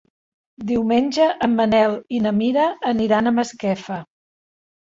Diumenge en Manel i na Mira aniran a Masquefa.